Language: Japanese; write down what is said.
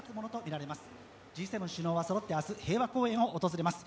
Ｇ７首脳はそろって明日平和公園を訪れます。